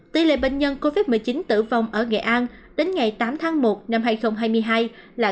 tỷ lệ bệnh nhân covid một mươi chín tử vong ở nghệ an đến ngày tám tháng một năm hai nghìn hai mươi hai là